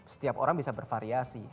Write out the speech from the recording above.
setiap orang bisa bervariasi